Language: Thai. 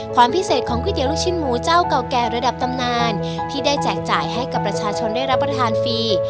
ความพิเศษของก๋วยเตี๋ยลูกชิ้นหมูเจ้าเก่าแก่ระดับตำนานที่ได้แจกจ่ายให้กับประชาชนได้รับประทานฟรี